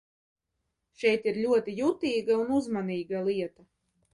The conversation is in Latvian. Šeit ir ļoti jutīga un uzmanīga lieta.